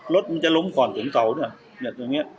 รถมันจะล้มก่อนถึงเตาเนี่ยเนี่ยตัวเนี้ย